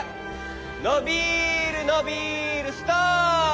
のびるのびるストップ！